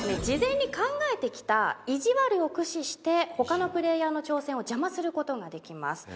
事前に考えてきたいじわるを駆使して他のプレイヤーの挑戦を邪魔することができます